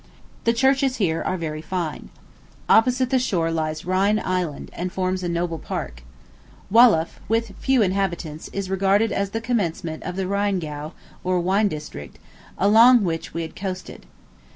The churches here are very fine. Opposite the shore lies Rhine Island, and forms a noble park. Walluff, with few inhabitants, is regarded as the commencement of the Rheingau, or wine district, along which we had coasted.